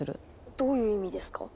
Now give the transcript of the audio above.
どういう意味ですか？